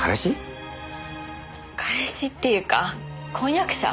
彼氏っていうか婚約者。